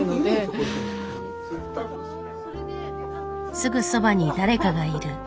すぐそばに誰かがいる。